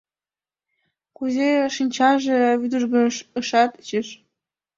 Кузе шинчаже вӱдыжгыш — ышат шиж.